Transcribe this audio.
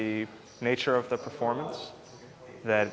dan saya suka alasan performanya